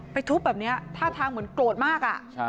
ทุบแบบนี้ท่าทางเหมือนโกรธมาก